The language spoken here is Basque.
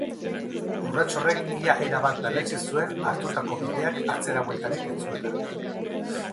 Urrats horrek ia erabat berretsi zuen hartutako bideak atzerabueltarik ez zuela.